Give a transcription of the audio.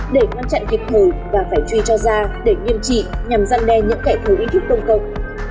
để ngăn chặn kịp thời và phải truy cho ra để nghiêm trị nhằm răn đe những kẻ thấu ý thức công cộng